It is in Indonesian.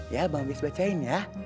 ya bang wis bacain ya